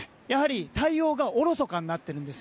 対応がおろそかになっているんです。